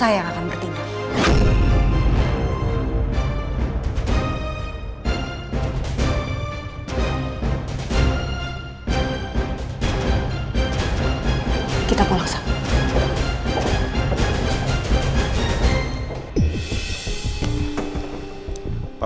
jangan pernah coba macem macem sama elsa